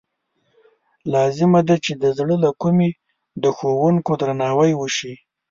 لازمه ده چې د زړه له کومې د ښوونکي درناوی وشي.